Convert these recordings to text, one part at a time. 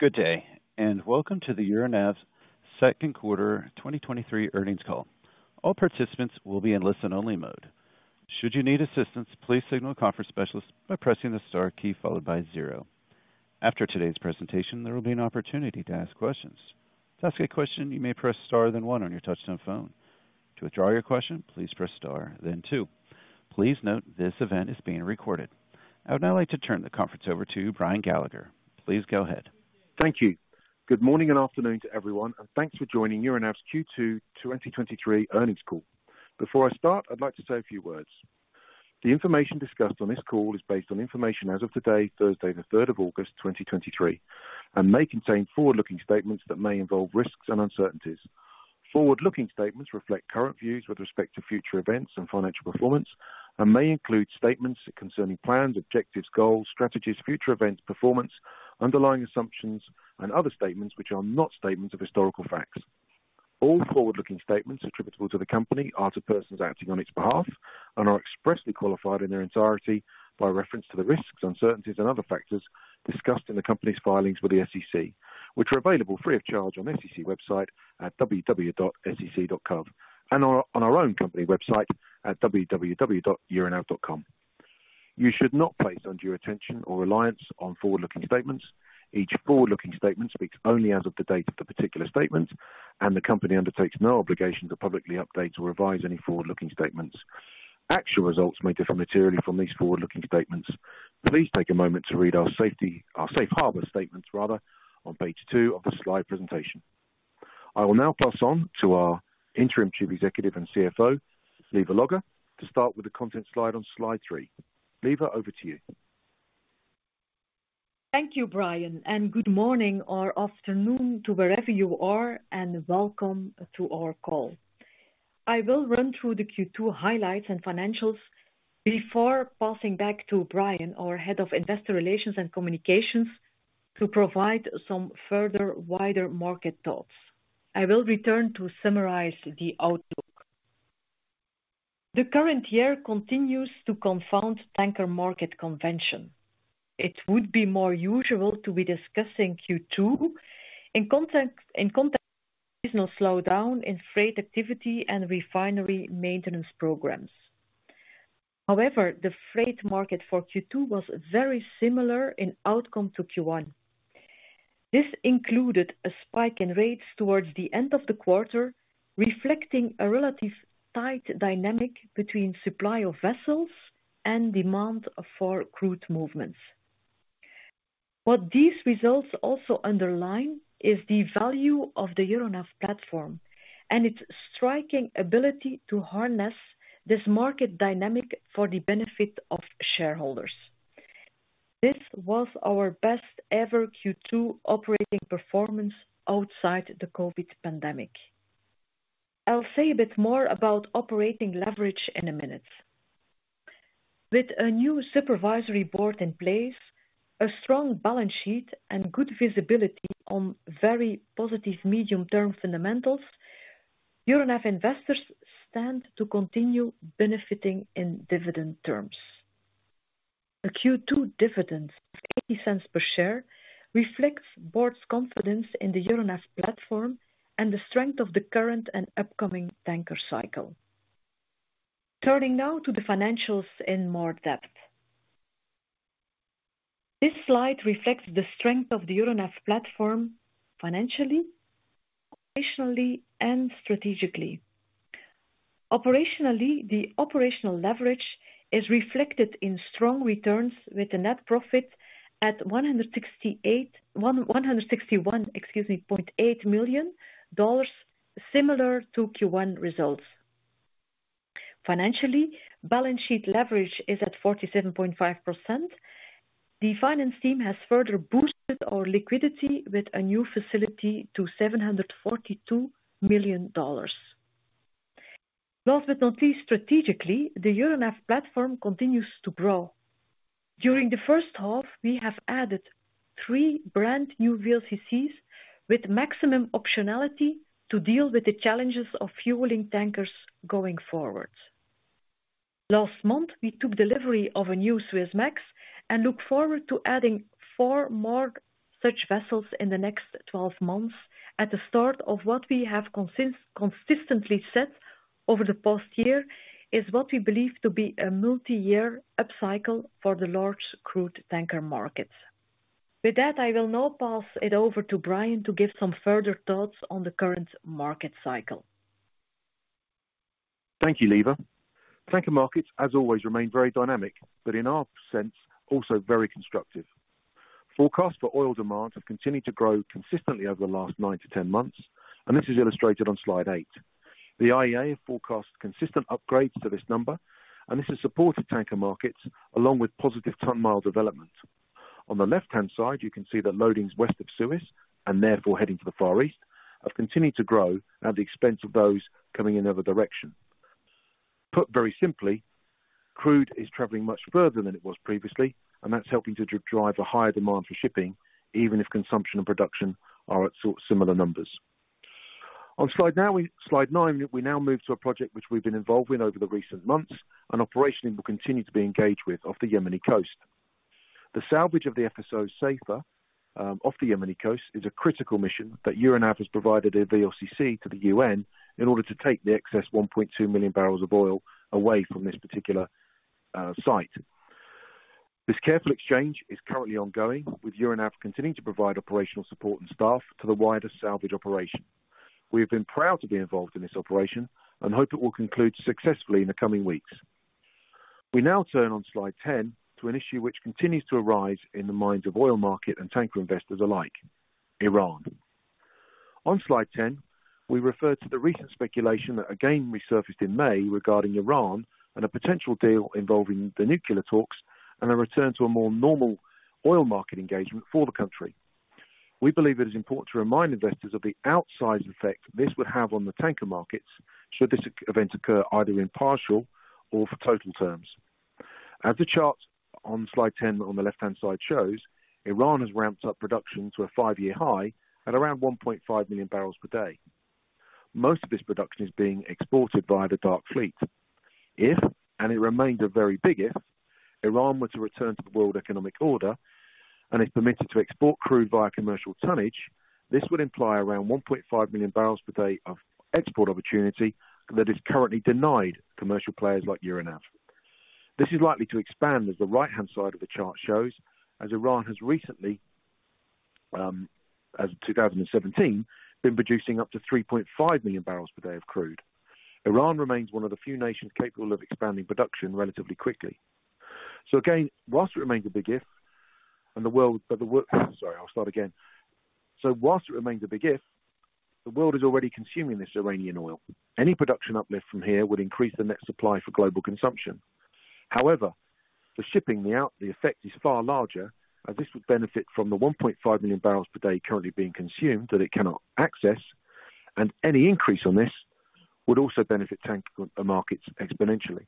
Good day, welcome to the Euronav's second quarter 2023 earnings call. All participants will be in listen-only mode. Should you need assistance, please signal a conference specialist by pressing the Star key followed by zero. After today's presentation, there will be an opportunity to ask questions. To ask a question, you may press Star, then one on your touchtone phone. To withdraw your question, please press Star, then two. Please note, this event is being recorded. I would now like to turn the conference over to Brian Gallagher. Please go ahead. Thank you. Good morning and afternoon to everyone, Thanks for joining Euronav's Q2 2023 earnings call. Before I start, I'd like to say a few words. The information discussed on this call is based on information as of today, Thursday, the 3rd of August 2023, and may contain forward-looking statements that may involve risks and uncertainties. Forward-looking statements reflect current views with respect to future events and financial performance, and may include statements concerning plans, objectives, goals, strategies, future events, performance, underlying assumptions, and other statements which are not statements of historical facts. All forward-looking statements attributable to the Company or to persons acting on its behalf, are expressly qualified in their entirety by reference to the risks, uncertainties, and other factors discussed in the Company's filings with the SEC, which are available free of charge on SEC website at www.sec.gov, on our own company website at www.euronav.com. You should not place undue attention or reliance on forward-looking statements. Each forward-looking statement speaks only as of the date of the particular statement, the Company undertakes no obligation to publicly update or revise any forward-looking statements. Actual results may differ materially from these forward-looking statements. Please take a moment to read our safe harbor statements on page 2 of the slide presentation. I will now pass on to our Interim Chief Executive and CFO, Lieve Logghe, to start with the content slide on slide 3. Lieve, over to you. Thank you, Brian. Good morning or afternoon to wherever you are, and welcome to our call. I will run through the Q2 highlights and financials before passing back to Brian, our Head of Investor Relations and Communications, to provide some further wider market thoughts. I will return to summarize the outlook. The current year continues to confound tanker market convention. It would be more usual to be discussing Q2 in context, in context of seasonal slowdown in freight activity and refinery maintenance programs. However, the freight market for Q2 was very similar in outcome to Q1. This included a spike in rates towards the end of the quarter, reflecting a relative tight dynamic between supply of vessels and demand for crude movements. What these results also underline is the value of the Euronav platform and its striking ability to harness this market dynamic for the benefit of shareholders. This was our best ever Q2 operating performance outside the COVID pandemic. I'll say a bit more about operating leverage in a minute. With a new supervisory board in place, a strong balance sheet, and good visibility on very positive medium-term fundamentals, Euronav investors stand to continue benefiting in dividend terms. A Q2 dividend of $0.80 per share reflects board's confidence in the Euronav platform and the strength of the current and upcoming tanker cycle. Turning now to the financials in more depth. This slide reflects the strength of the Euronav platform financially, operationally, and strategically. Operationally, the operational leverage is reflected in strong returns with a net profit at $161.8 million, similar to Q1 results. Finan cially, balance sheet leverage is at 47.5%. The finance team has further boosted our liquidity with a new facility to $742 million. Last but not least, strategically, the Euronav platform continues to grow. During the first half, we have added three brand new VLCCs with maximum optionality to deal with the challenges of fueling tankers going forward. Last month, we took delivery of a new Suezmax and look forward to adding four more such vessels in the next 12 months, at the start of what we have consistently said over the past year, is what we believe to be a multi-year upcycle for the large crude tanker markets. With that, I will now pass it over to Brian to give some further thoughts on the current market cycle. Thank you, Lieve. Tanker markets, as always, remain very dynamic. In our sense, also very constructive. Forecasts for oil demand have continued to grow consistently over the last 9-10 months. This is illustrated on slide 8. The IEA forecasts consistent upgrades to this number. This has supported tanker markets along with positive ton mile development. On the left-hand side, you can see the loadings west of Suez, and therefore heading to the Far East, have continued to grow at the expense of those coming in the other direction. Put very simply, crude is traveling much further than it was previously, and that's helping to drive a higher demand for shipping, even if consumption and production are at sort of similar numbers. On slide now, slide 9, we now move to a project which we've been involved with over the recent months, and operationally will continue to be engaged with, off the Yemeni coast. The salvage of the FSO Safer off the Yemeni coast, is a critical mission that Euronav has provided a VLCC to the UN in order to take the excess 1.2 million barrels of oil away from this particular site. This careful exchange is currently ongoing, with Euronav continuing to provide operational support and staff to the wider salvage operation. We have been proud to be involved in this operation and hope it will conclude successfully in the coming weeks. We now turn on slide 10, to an issue which continues to arise in the minds of oil market and tanker investors alike, Iran. On slide 10, we refer to the recent speculation that again resurfaced in May regarding Iran and a potential deal involving the nuclear talks and a return to a more normal oil market engagement for the country. We believe it is important to remind investors of the outsized effect this would have on the tanker markets, should this event occur either in partial or for total terms. As the chart on slide 10, on the left-hand side shows, Iran has ramped up production to a 5-year high at around 1.5 million barrels per day. Most of this production is being exported via the Dark Fleet. If, and it remains a very big if, Iran were to return to the world economic order, and is permitted to export crude via commercial tonnage, this would imply around 1.5 million barrels per day of export opportunity that is currently denied commercial players like Euronav. This is likely to expand, as the right-hand side of the chart shows, as Iran has recently, as of 2017, been producing up to 3.5 million barrels per day of crude. Iran remains one of the few nations capable of expanding production relatively quickly. Whilst it remains a big if, the world is already consuming this Iranian oil. Any production uplift from here would increase the net supply for global consumption. However, the shipping, the out, the effect is far larger, as this would benefit from the 1.5 million barrels per day currently being consumed that it cannot access, and any increase on this would also benefit tanker markets exponentially.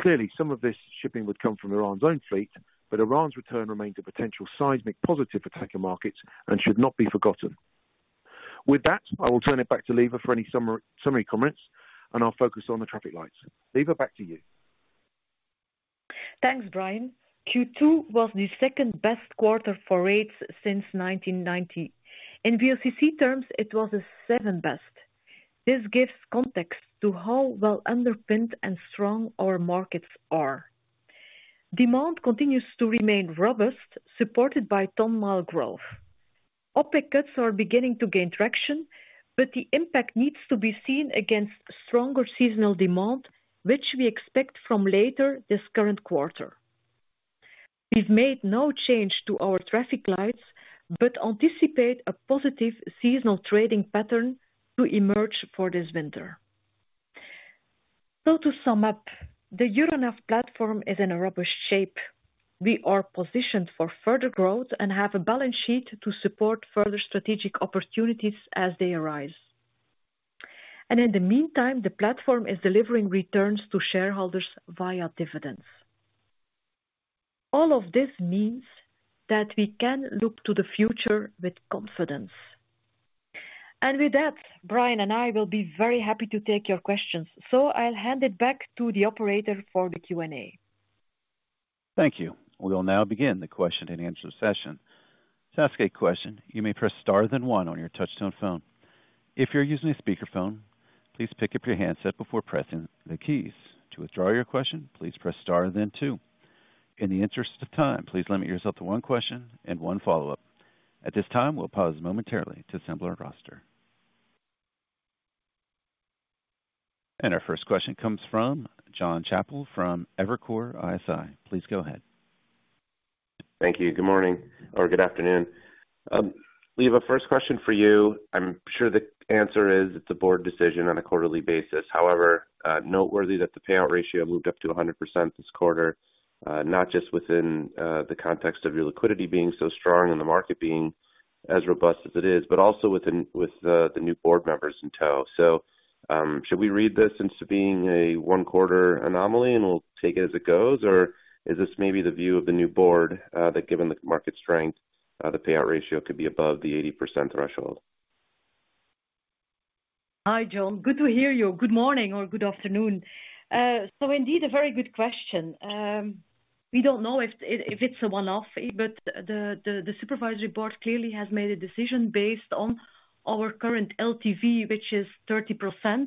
Clearly, some of this shipping would come from Iran's own fleet, but Iran's return remains a potential seismic positive for tanker markets and should not be forgotten. With that, I will turn it back to Lieve for any summary, summary comments, and I'll focus on the traffic lights. Lieve, back to you. Thanks, Brian. Q2 was the second best quarter for rates since 1990. In VLCC terms, it was the seventh best. This gives context to how well underpinned and strong our markets are. Demand continues to remain robust, supported by ton mile growth. OPEC cuts are beginning to gain traction, but the impact needs to be seen against stronger seasonal demand, which we expect from later this current quarter. We've made no change to our traffic lights, but anticipate a positive seasonal trading pattern to emerge for this winter. To sum up, the Euronav platform is in a robust shape. We are positioned for further growth and have a balance sheet to support further strategic opportunities as they arise. In the meantime, the platform is delivering returns to shareholders via dividends. All of this means that we can look to the future with confidence. With that, Brian and I will be very happy to take your questions, so I'll hand it back to the operator for the Q&A. Thank you. We'll now begin the question and answer session. To ask a question, you may press star, then one on your touchtone phone. If you're using a speakerphone, please pick up your handset before pressing the keys. To withdraw your question, please press star then two. In the interest of time, please limit yourself to one question and one follow-up. At this time, we'll pause momentarily to assemble our roster. Our first question comes from John Chappell from Evercore ISI. Please go ahead. Thank you. Good morning or good afternoon. Lieve, a first question for you. I'm sure the answer is, it's a board decision on a quarterly basis. However, noteworthy that the payout ratio moved up to 100% this quarter, not just within the context of your liquidity being so strong and the market being as robust as it is, but also within, with the new board members in tow. Should we read this into being a 1 quarter anomaly and we'll take it as it goes? Or is this maybe the view of the new board that given the market strength, the payout ratio could be above the 80% threshold? Hi, John. Good to hear you. Good morning or good afternoon. Indeed a very good question. We don't know if, if it's a one-off, but the, the, the supervisory board clearly has made a decision based on our current LTV, which is 30%,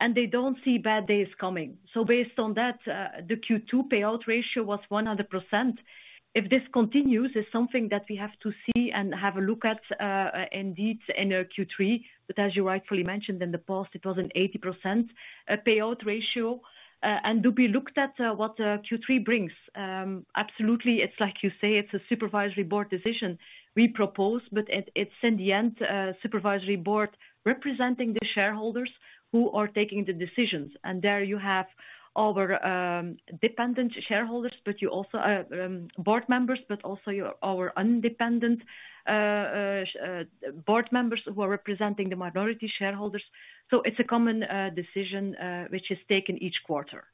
and they don't see bad days coming. Based on that, the Q2 payout ratio was 100%. If this continues, it's something that we have to see and have a look at, indeed, in Q3. As you rightfully mentioned, in the past, it was an 80% payout ratio. To be looked at, what Q3 brings. Absolutely, it's like you say, it's a supervisory board decision. We propose, but it, it's in the end, supervisory board representing the shareholders who are taking the decisions. There you have our dependent shareholders, but you also board members, but also your, our independent board members who are representing the minority shareholders. It's a common decision which is taken each quarter.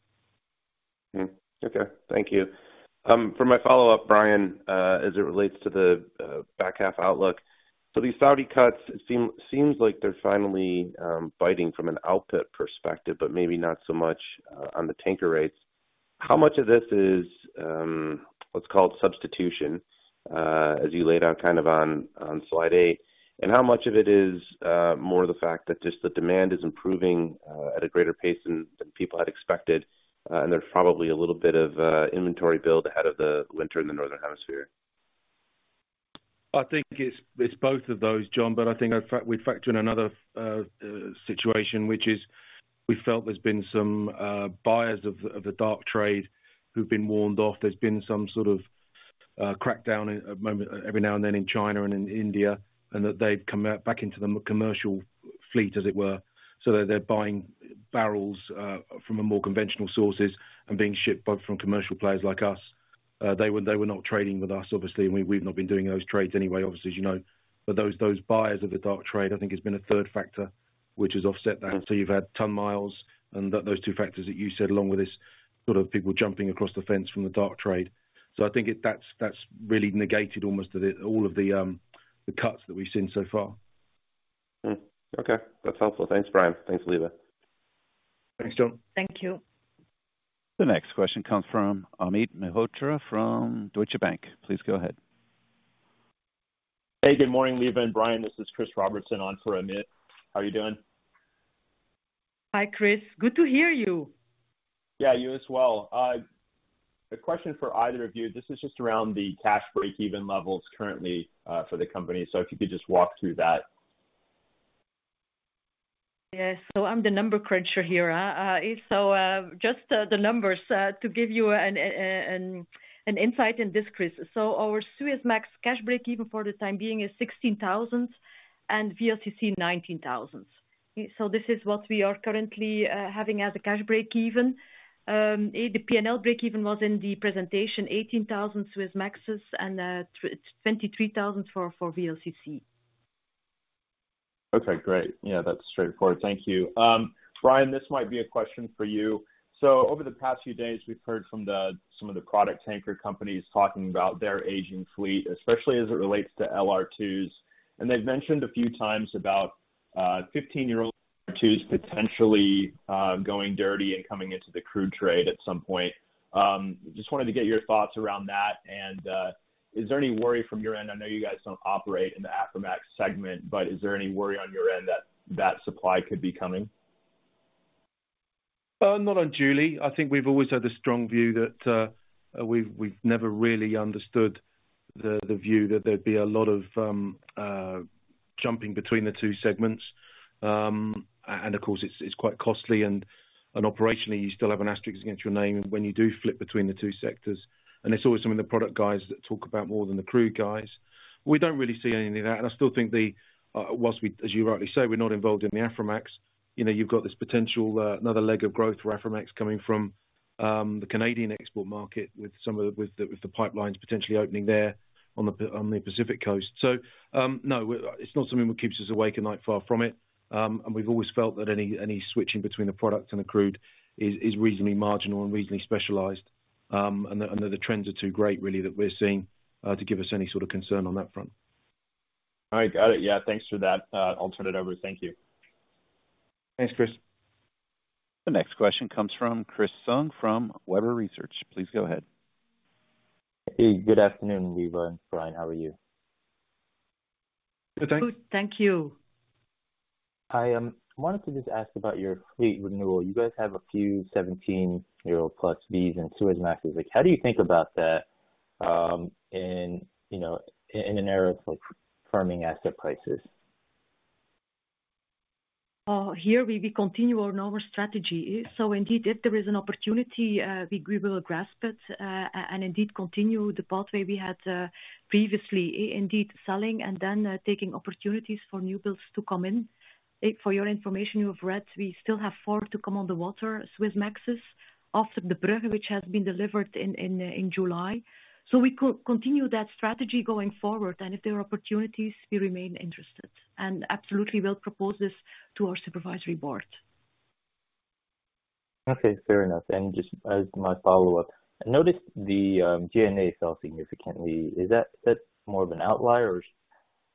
Mm-hmm. Okay, thank you. For my follow-up, Brian, as it relates to the back half outlook. These Saudi cuts, it seem, seems like they're finally biting from an output perspective, but maybe not so much on the tanker rates. How much of this is what's called substitution, as you laid out kind of on, on slide A? How much of it is more of the fact that just the demand is improving at a greater pace than, than people had expected, and there's probably a little bit of inventory build ahead of the winter in the Northern Hemisphere? I think it's, it's both of those, John, but I think I fact, we'd factor in another situation, which is we felt there's been some buyers of the dark trade who've been warned off. There's been some sort of crackdown at moment, every now and then in China and in India, and that they've come out back into the commercial fleet, as it were. They're, they're buying barrels from a more conventional sources and being shipped both from commercial players like us. They were, they were not trading with us, obviously, and we, we've not been doing those trades anyway, obviously, as you know. Those, those buyers of the dark trade, I think, has been a third factor, which has offset that. You've had ton miles and those two factors that you said, along with this sort of people jumping across the fence from the dark trade. I think it, that's, that's really negated almost the, all of the, the cuts that we've seen so far. Hmm. Okay. That's helpful. Thanks, Brian. Thanks, Lieve. Thanks, John. Thank you. The next question comes from Amit Mehrotra from Deutsche Bank. Please go ahead. Hey, good morning, Lieve and Brian. This is Chris Robertson on for Amit. How are you doing? Hi, Chris. Good to hear you. Yeah, you as well. A question for either of you. This is just around the cash breakeven levels currently, for the company. If you could just walk through that. Yes. So I'm the number cruncher here. So just the numbers to give you an, an, an insight and discretion. So our Suezmax cash break even for the time being, is $16,000 and VLCC, $19,000. So this is what we are currently having as a cash break even. The PNL break even was in the presentation, $18,000 Suezmaxes and $23,000 for, for VLCC. Okay, great. Yeah, that's straightforward. Thank you. Brian, this might be a question for you. Over the past few days, we've heard from the, some of the product tanker companies talking about their aging fleet, especially as it relates to LR2s, and they've mentioned a few times about 15-year-old twos potentially going dirty and coming into the crude trade at some point. Just wanted to get your thoughts around that, and is there any worry from your end? I know you guys don't operate in the Aframax segment, but is there any worry on your end that that supply could be coming? Not on duly. I think we've always had the strong view that we've never really understood the view that there'd be a lot of jumping between the two segments. Of course, it's quite costly and operationally, you still have an asterisk against your name when you do flip between the two sectors. It's always some of the product guys that talk about more than the crew guys. We don't really see any of that, and I still think the, whilst we, as you rightly say, we're not involved in the Aframax, you know, you've got this potential another leg of growth for Aframax coming from the Canadian export market with some of the pipelines potentially opening there on the Pacific Coast. No, it's not something that keeps us awake at night, far from it. We've always felt that any, any switching between the products and the crude is, is reasonably marginal and reasonably specialized. The, and the trends are too great, really, that we're seeing to give us any sort of concern on that front. All right. Got it. Yeah, thanks for that. I'll turn it over. Thank you. Thanks, Chris. The next question comes from Chris Tsung from Webber Research. Please go ahead. Hey, good afternoon, Lieve and Brian. How are you? Good, thanks. Good. Thank you. I wanted to just ask about your fleet renewal. You guys have a few 17-year-old plus V's and Suezmaxes. Like, how do you think about that, in, you know, in, in an era of, like, firming asset prices? Here we, we continue on our strategy. Indeed, if there is an opportunity, we, we will grasp it and indeed continue the pathway we had previously. Indeed, selling and then taking opportunities for new builds to come in. For your information, you have read, we still have four to come on the water, Suezmaxes, after the Brugge, which has been delivered in July. We continue that strategy going forward, and if there are opportunities, we remain interested, and absolutely we'll propose this to our supervisory board. Okay, fair enough. Just as my follow-up, I noticed the G&A fell significantly. Is that more of an outlier, or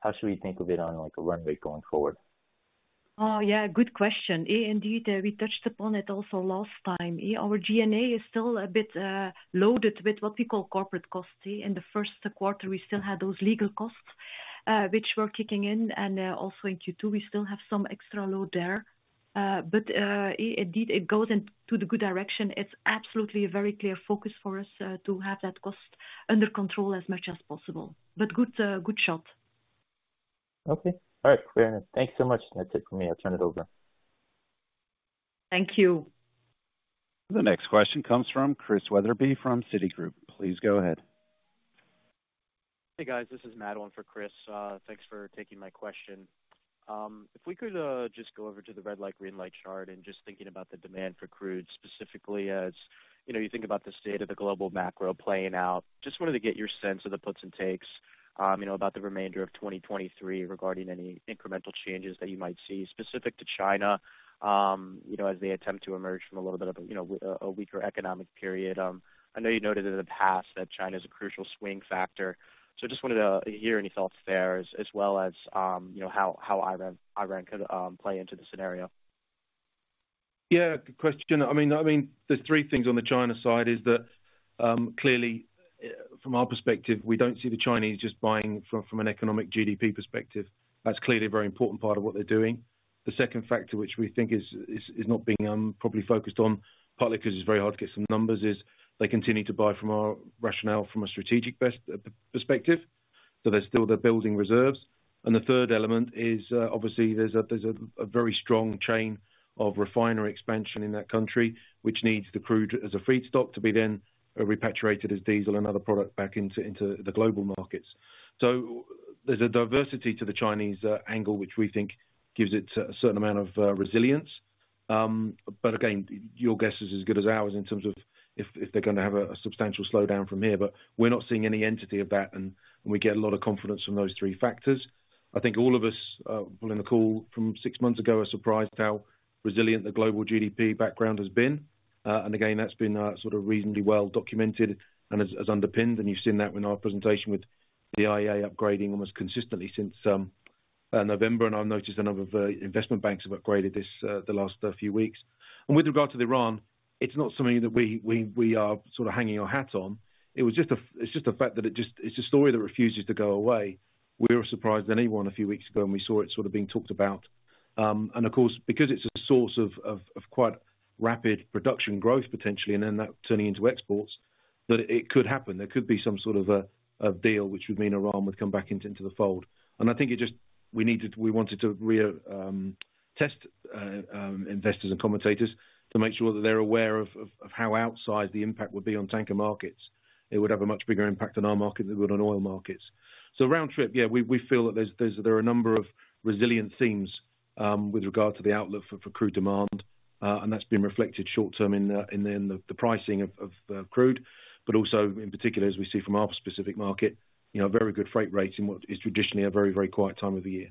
how should we think of it on, like, a runway going forward? Oh, yeah, good question. Indeed, we touched upon it also last time. Our G&A is still a bit loaded with what we call corporate costs. In the first quarter, we still had those legal costs, which were kicking in, and also in Q2, we still have some extra load there. Indeed, it goes into the good direction. It's absolutely a very clear focus for us, to have that cost under control as much as possible. Good, good shot. Okay. All right, fair enough. Thank you so much. That's it for me. I'll turn it over. Thank you. The next question comes from Chris Wetherbee from Citigroup. Please go ahead. Hey, guys, this is Madeline for Chris. Thanks for taking my question.... If we could just go over to the red light, green light chart, just thinking about the demand for crude, specifically as, you know, you think about the state of the global macro playing out. Just wanted to get your sense of the puts and takes, you know, about the remainder of 2023, regarding any incremental changes that you might see specific to China, you know, as they attempt to emerge from a little bit of a, you know, a, a weaker economic period. I know you noted in the past that China's a crucial swing factor. Just wanted to hear any thoughts there, as, as well as, you know, how, how Iran, Iran could play into the scenario. Yeah, good question. I mean, I mean, there's three things on the China side, is that, clearly, from our perspective, we don't see the Chinese just buying from an economic GDP perspective. That's clearly a very important part of what they're doing. The second factor, which we think is not being, probably focused on, partly because it's very hard to get some numbers, is they continue to buy from our rationale from a strategic perspective. They're still, they're building reserves. The third element is, obviously there's a very strong chain of refinery expansion in that country, which needs the crude as a feedstock to be then, repatriated as diesel and other product back into the global markets. There's a diversity to the Chinese angle, which we think gives it a certain amount of resilience. Again, your guess is as good as ours in terms of if they're gonna have a substantial slowdown from here. We're not seeing any entity of that, and we get a lot of confidence from those three factors. I think all of us, well, in the call from six months ago, are surprised how resilient the global GDP background has been. Again, that's been sort of reasonably well documented and has underpinned, and you've seen that in our presentation with the IEA upgrading almost consistently since November, and I've noticed a number of investment banks have upgraded this the last few weeks. With regard to Iran, it's not something that we, we, we are sort of hanging our hats on. It was just it's just the fact that it's a story that refuses to go away. We were surprised than anyone a few weeks ago, and we saw it sort of being talked about. Of course, because it's a source of, of, of quite rapid production growth, potentially, and then that turning into exports, that it could happen. There could be some sort of a, a deal which would mean Iran would come back into, into the fold. I think it just We needed, we wanted to retest investors and commentators, to make sure that they're aware of, of, of how outside the impact would be on tanker markets. It would have a much bigger impact on our market than it would on oil markets. Round trip, yeah, we, we feel that there's, there's, there are a number of resilient themes with regard to the outlook for, for crude demand, and that's been reflected short term in the, the pricing of, of crude, but also in particular, as we see from our specific market, you know, very good freight rates in what is traditionally a very, very quiet time of the year.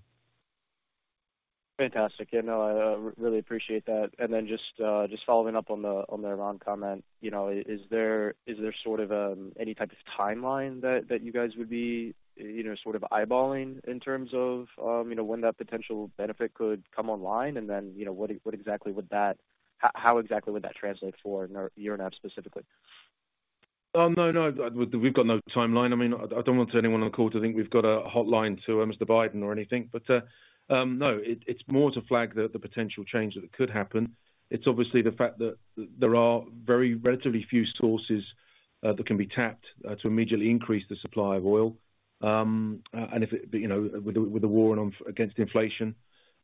Fantastic. Yeah, no, I really appreciate that. Then just following up on the Iran comment. You know, is there, is there sort of any type of timeline that, that you guys would be, you know, sort of eyeballing in terms of, you know, when that potential benefit could come online? Then, you know, how, how exactly would that translate for Euronav specifically? No, no, we've got no timeline. I mean, I, I don't want anyone on the call to think we've got a hotline to Mr. Biden or anything. No, it's more to flag the potential change that could happen. It's obviously the fact that there are very relatively few sources that can be tapped to immediately increase the supply of oil. If it, you know, with the, with the war on, against inflation,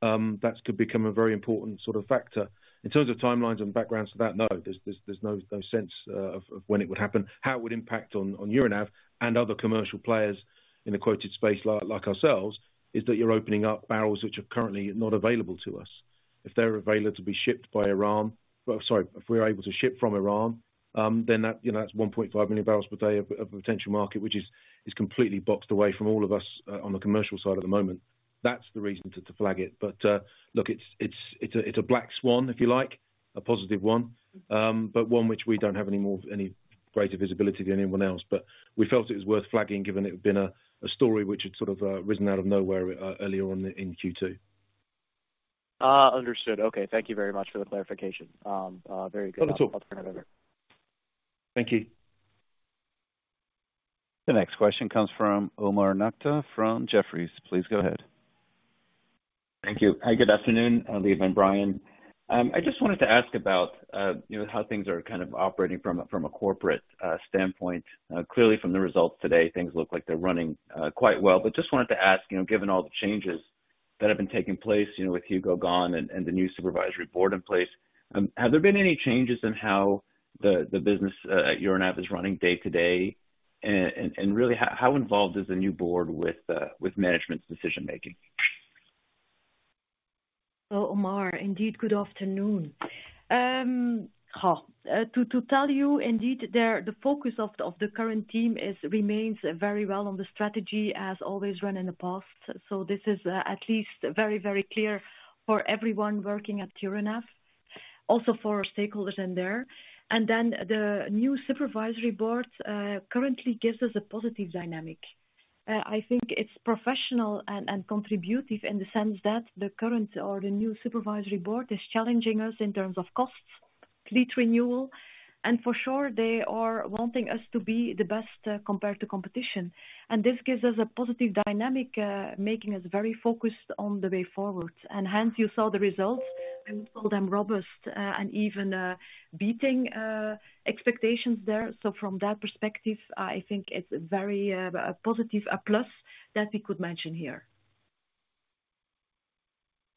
that could become a very important sort of factor. In terms of timelines and backgrounds for that, no, there's, there's, there's no, no sense of when it would happen, how it would impact on, on Euronav and other commercial players in the quoted space like, like ourselves, is that you're opening up barrels which are currently not available to us. If they're available to be shipped by Iran, sorry, if we're able to ship from Iran, then that, you know, that's 1.5 million barrels per day of potential market, which is completely boxed away from all of us on the commercial side at the moment. That's the reason to flag it. Look, it's a black swan, if you like, a positive one. One which we don't have any more, any greater visibility than anyone else. We felt it was worth flagging, given it had been a story which had sort of risen out of nowhere earlier on in Q2. Ah, understood. Okay, thank you very much for the clarification. Very good. Not at all. I'll turn it over. Thank you. The next question comes from Omar Nokta from Jefferies. Please go ahead. Thank you. Hi, good afternoon, Lieve and Brian. I just wanted to ask about, you know, how things are kind of operating from a, from a corporate standpoint. Clearly, from the results today, things look like they're running quite well. Just wanted to ask, you know, given all the changes that have been taking place, you know, with Hugo gone and the new supervisory board in place, have there been any changes in how the business at CMB.TECH is running day to day? Really, how involved is the new board with management's decision making? Well, Omar, indeed, good afternoon. To tell you indeed, there, the focus of the current team remains very well on the strategy as always run in the past. This is at least very, very clear for everyone working at Euronav, also for our stakeholders in there. The new supervisory board currently gives us a positive dynamic. I think it's professional and, and contributive in the sense that the current or the new supervisory board is challenging us in terms of costs, fleet renewal, and for sure, they are wanting us to be the best compared to competition. This gives us a positive dynamic, making us very focused on the way forward. Hence, you saw the results, and saw them robust, and even beating expectations there. From that perspective, I think it's very, a positive, a plus that we could mention here.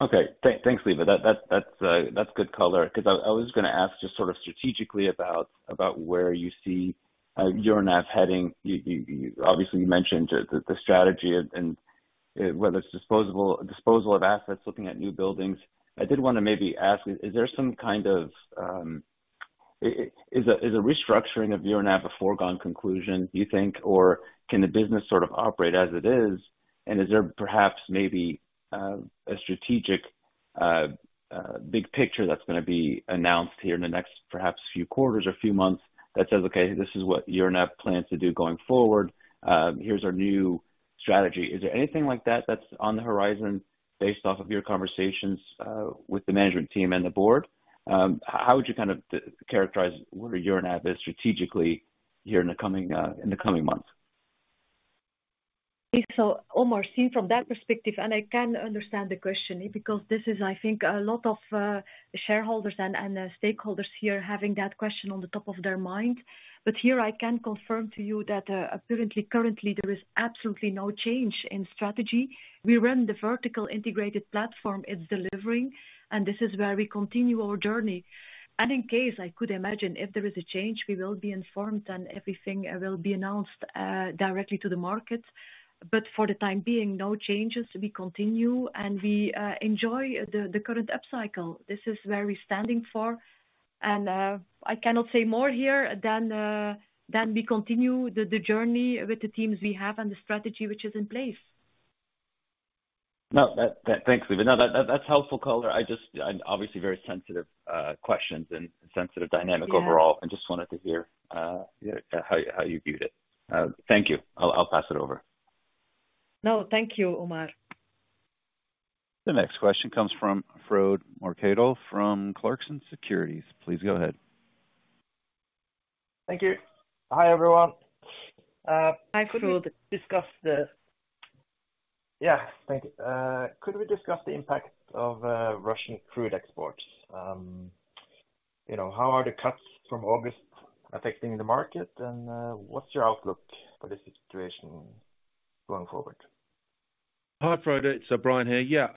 Okay, thanks, Lieve. That, that's good color, 'cause I, I was gonna ask just sort of strategically about, about where you see CMB.TECH heading. You, you, you obviously you mentioned the, the, the strategy and, and whether it's disposal of assets, looking at new buildings. I did wanna maybe ask, is there some kind of, is a restructuring of CMB.TECH a foregone conclusion, do you think? Or can the business sort of operate as it is, and is there perhaps maybe a strategic big picture that's gonna be announced here in the next, perhaps few quarters or few months, that says, "Okay, this is what CMB.TECH plans to do going forward. here's our new strategy. Is there anything like that, that's on the horizon based off of your conversations, with the management team and the board? How would you kind of characterize where Euronav is strategically here in the coming, in the coming months? Omar, seen from that perspective, and I can understand the question, because this is, I think, a lot of shareholders and stakeholders here having that question on the top of their mind. Here I can confirm to you that apparently currently there is absolutely no change in strategy. We run the vertical integrated platform, it's delivering, and this is where we continue our journey. In case I could imagine, if there is a change, we will be informed and everything will be announced directly to the market. For the time being, no changes. We continue, and we enjoy the current upcycle. This is where we're standing for, and I cannot say more here than the, than we continue the, the journey with the teams we have and the strategy which is in place. No, that. Thanks, Lieve. No, that's helpful color. I just. I'm obviously very sensitive questions and sensitive dynamic- Yeah. overall, and just wanted to hear, yeah, how, how you viewed it. Thank you. I'll, I'll pass it over. No, thank you, Omar. The next question comes from Frode Mørkedal from Clarksons Securities. Please go ahead. Thank you. Hi, everyone, Hi, Frode. Could we discuss the... Yeah, thank you. Could we discuss the impact of Russian crude exports? You know, how are the cuts from August affecting the market, and what's your outlook for this situation going forward? Hi, Frode, it's Brian here. Yeah,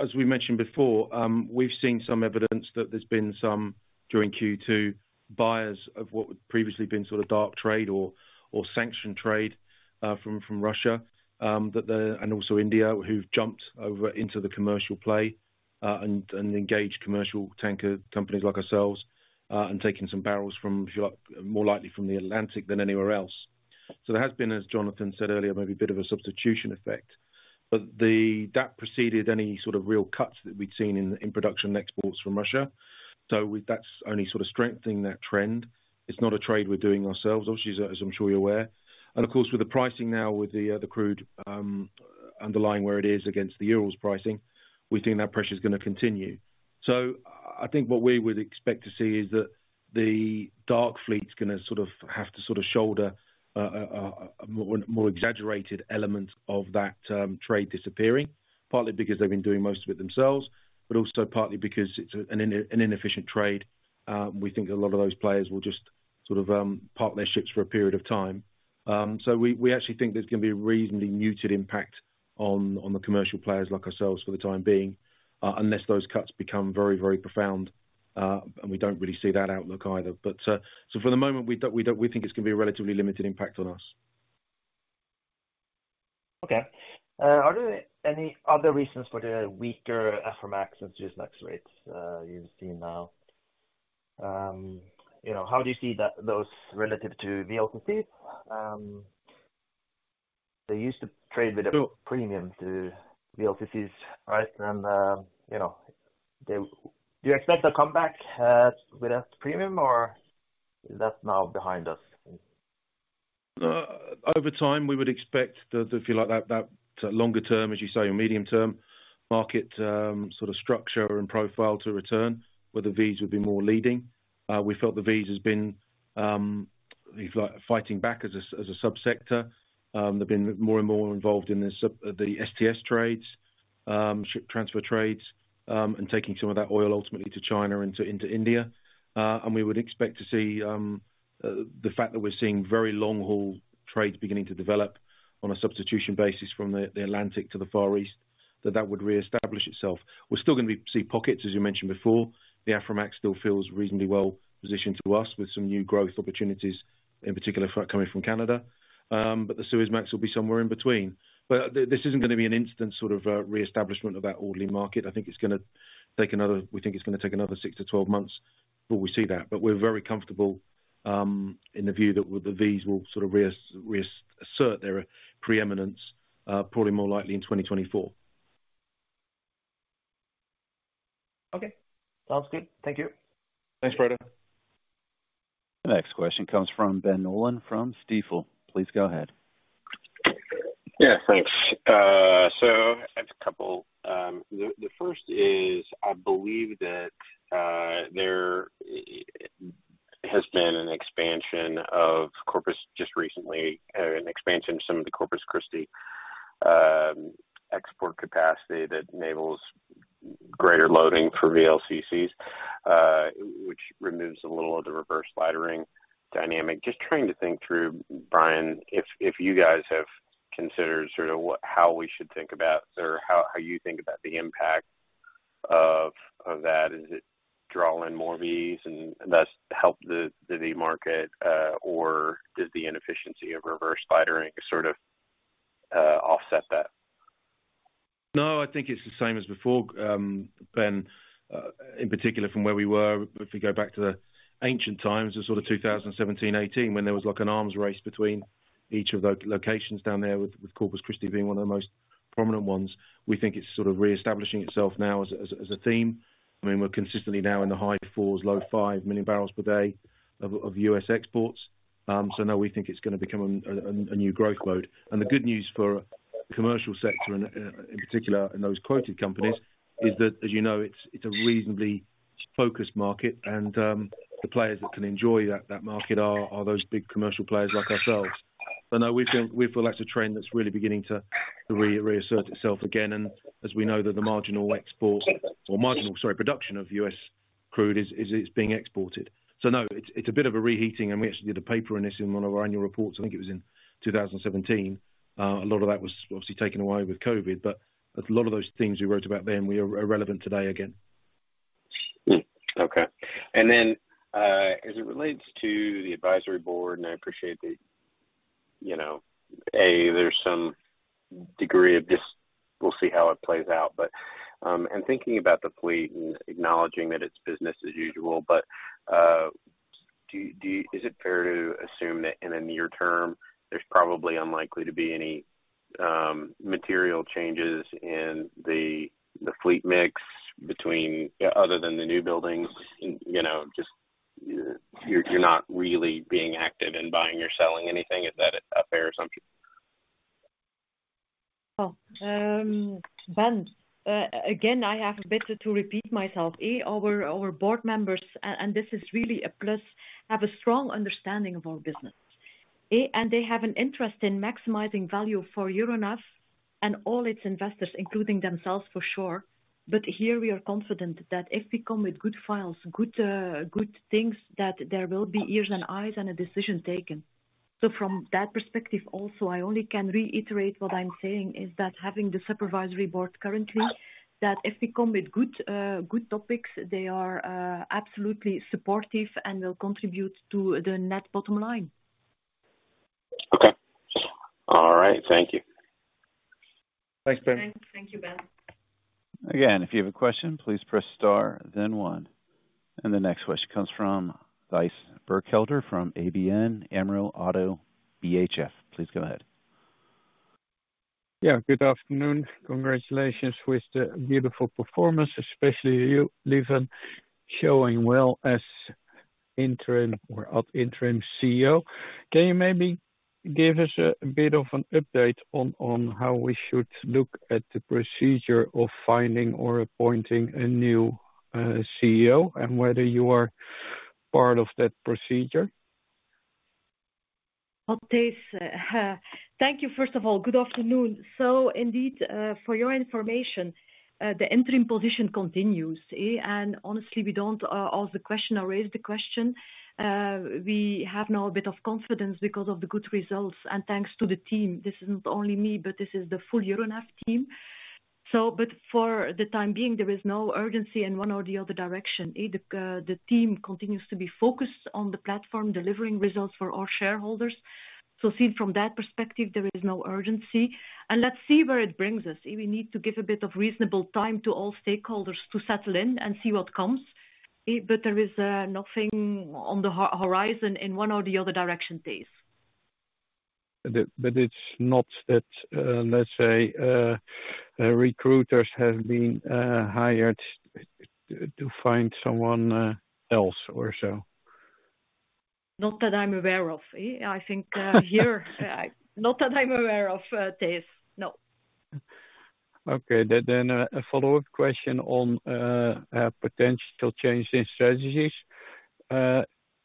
as we mentioned before, we've seen some evidence that there's been some, during Q2, buyers of what would previously been sort of dark trade or, or sanctioned trade, from Russia, and also India, who've jumped over into the commercial play, and engaged commercial tanker companies like ourselves, and taking some barrels from Shu- more likely from the Atlantic than anywhere else. There has been, as Jonathan said earlier, maybe a bit of a substitution effect. The, that preceded any sort of real cuts that we'd seen in, in production and exports from Russia. That's only sort of strengthening that trend. It's not a trade we're doing ourselves, obviously, as I'm sure you're aware. Of course, with the pricing now with the crude underlying where it is against the Urals pricing, we think that pressure is gonna continue. I think what we would expect to see is that the dark fleet's gonna sort of have to sort of shoulder more, more exaggerated elements of that trade disappearing. Partly because they've been doing most of it themselves, but also partly because it's an inefficient trade. We think a lot of those players will just sort of park their ships for a period of time. We, we actually think there's gonna be a reasonably muted impact on the commercial players like ourselves for the time being, unless those cuts become very, very profound, and we don't really see that outlook either. For the moment, we think it's going to be a relatively limited impact on us. Okay. Are there any other reasons for the weaker Aframax and Suezmax rates you're seeing now? You know, how do you see that, those relative to VLCC? They used to trade with a premium to VLCCs, right? You know, they... Do you expect a comeback with a premium, or is that now behind us? Over time, we would expect the, if you like, that, that longer term, as you say, or medium term, market, sort of structure and profile to return, where the VLCCs would be more leading. We felt the VLCCs has been, if like, fighting back as a, as a sub-sector. They've been more and more involved in the STS trades, ship-to-ship transfer trades, and taking some of that oil ultimately to China and into India. We would expect to see the fact that we're seeing very long-haul trades beginning to develop on a substitution basis from the Atlantic to the Far East, that that would reestablish itself. We're still gonna see pockets, as you mentioned before. The Aframax still feels reasonably well positioned to us, with some new growth opportunities, in particular for, coming from Canada. The Suezmax will be somewhere in between. This isn't gonna be an instant sort of reestablishment of that orderly market. I think it's gonna take we think it's gonna take another 6-12 months before we see that. We're very comfortable in the view that the Vs will sort of reassert their preeminence, probably more likely in 2024. Okay. Sounds good. Thank you. Thanks, Frode. The next question comes from Ben Nolan from Stifel. Please go ahead. Yeah, thanks. I have a couple. The, the first is, I believe that there has been an expansion of Corpus just recently, an expansion of some of the Corpus Christi export capacity that enables greater loading for VLCCs. which removes a little of the reverse lightering dynamic. Just trying to think through, Brian, if, if you guys have considered sort of what, how we should think about or how, how you think about the impact of, of that. Is it draw in more V's and thus help the, the market, or does the inefficiency of reverse lightering sort of offset that? No, I think it's the same as before, Ben. In particular, from where we were, if we go back to the ancient times, the sort of 2017, 2018, when there was like an arms race between each of the locations down there, with Corpus Christi being one of the most prominent ones. We think it's sort of reestablishing itself now as a theme. I mean, we're consistently now in the high 4s, low 5 million barrels per day of US exports. So now we think it's gonna become a new growth mode. The good news for commercial sector and, in particular, in those quoted companies, is that, as you know, it's a reasonably focused market, and the players that can enjoy that, that market are those big commercial players like ourselves. No, we feel, we feel that's a trend that's really beginning to re-reassert itself again, and as we know that the marginal export or marginal, sorry, production of U.S. crude is, is being exported. No, it's, it's a bit of a reheating, and we actually did a paper on this in one of our annual reports. I think it was in 2017. A lot of that was obviously taken away with COVID, but a lot of those things we wrote about then, we are, are relevant today again. Hmm. Okay. Then, as it relates to the advisory board, I appreciate that, you know, A, there's some degree of just we'll see how it plays out. In thinking about the fleet and acknowledging that it's business as usual, Do you Is it fair to assume that in the near term, there's probably unlikely to be any material changes in the fleet mix between, other than the new buildings? You know, just you're, you're not really being active in buying or selling anything. Is that a fair assumption? Ben, again, I have a bit to repeat myself. Our board members, and this is really a plus, have a strong understanding of our business. They have an interest in maximizing value for Euronav and all its investors, including themselves, for sure. Here we are confident that if we come with good files, good, good things, that there will be ears and eyes and a decision taken. From that perspective also, I only can reiterate what I'm saying, is that having the supervisory board currently, that if we come with good, good topics, they are absolutely supportive and will contribute to the net bottom line. Okay. All right. Thank you. Thanks, Ben. Thank you, Ben. Again, if you have a question, please press star then one. The next question comes from Thijs Berkhout from ABN AMRO - ODDO BHF. Please go ahead. Yeah, good afternoon. Congratulations with the beautiful performance, especially you, Lieve, showing well as interim or of interim CEO. Can you maybe give us a bit of an update on, on how we should look at the procedure of finding or appointing a new CEO, and whether you are part of that procedure? Well, Thijs, thank you, first of all, good afternoon. Indeed, for your information, the interim position continues. Honestly, we don't ask the question or raise the question. We have now a bit of confidence because of the good results and thanks to the team. This isn't only me, but this is the full Euronav team. But for the time being, there is no urgency in one or the other direction. The team continues to be focused on the platform, delivering results for all shareholders. Seen from that perspective, there is no urgency. Let's see where it brings us. We need to give a bit of reasonable time to all stakeholders to settle in and see what comes. There is nothing on the horizon in one or the other direction, Thijs. It, but it's not that, let's say, recruiters have been hired to find someone else or so? Not that I'm aware of, eh? I think. Not that I'm aware of, Thijs. No. Okay. A follow-up question on a potential change in strategies.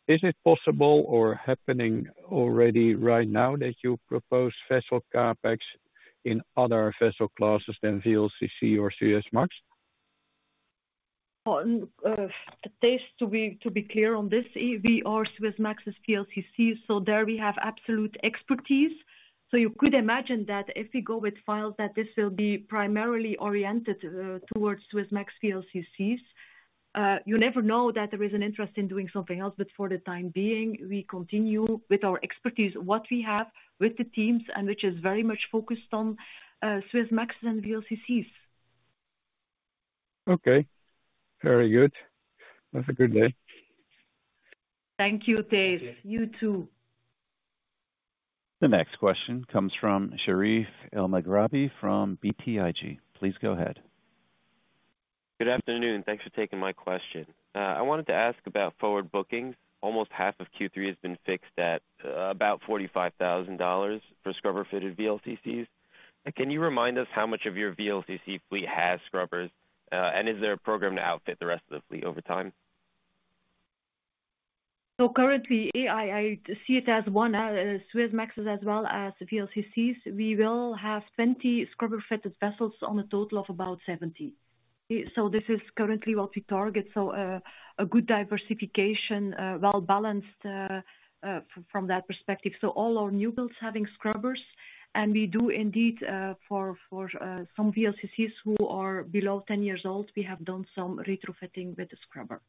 Is it possible or happening already right now, that you propose vessel CapEx in other vessel classes than VLCC or Suezmax? Thijs, to be, to be clear on this, eh, we are Suezmax VLCC, so there we have absolute expertise. You could imagine that if we go with files, that this will be primarily oriented towards Suezmax VLCCs. You never know that there is an interest in doing something else, but for the time being, we continue with our expertise, what we have with the teams, and which is very much focused on Suezmax and VLCCs. Okay, very good. Have a good day. Thank you, Thijs. You too. The next question comes from Sharif El-Maghraby from BTIG. Please go ahead. Good afternoon. Thanks for taking my question. I wanted to ask about forward bookings. Almost half of Q3 has been fixed at about $45,000 for scrubber-fitted VLCCs. Can you remind us how much of your VLCC fleet has scrubbers? Is there a program to outfit the rest of the fleet over time? Currently, ay, I, I see it as one Suezmax as well as VLCCs. We will have 20 scrubber-fitted vessels on a total of about 70. This is currently what we target. A good diversification, well balanced from that perspective. All our new builds having scrubbers, and we do indeed, for, for some VLCCs who are below 10 years old, we have done some retrofitting with the scrubber.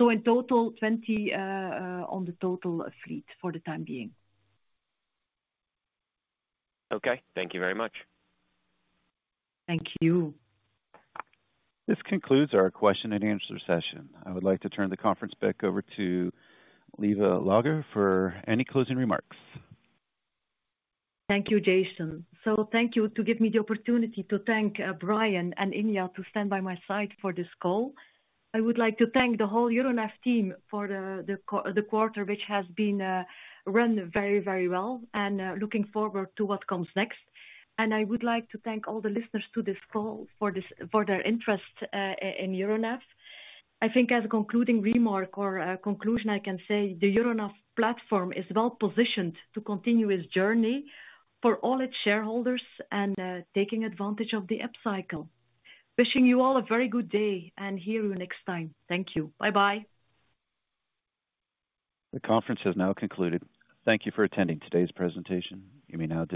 In total, 20 on the total fleet for the time being. Okay. Thank you very much. Thank you. This concludes our question and answer session. I would like to turn the conference back over to Lieve Logghe for any closing remarks. Thank you, Jason. Thank you to give me the opportunity to thank Brian and Inga, to stand by my side for this call. I would like to thank the whole CMB.TECH team for the quarter, which has been run very, very well and looking forward to what comes next. I would like to thank all the listeners to this call for this, for their interest in CMB.TECH. I think as a concluding remark or a conclusion, I can say the CMB.TECH platform is well positioned to continue its journey for all its shareholders and taking advantage of the upcycle. Wishing you all a very good day, and hear you next time. Thank you. Bye-bye. The conference has now concluded. Thank you for attending today's presentation. You may now disconnect.